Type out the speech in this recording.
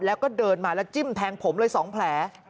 แล้วก็เดินมาแล้วจิ้มแทงผมเลย๒แผล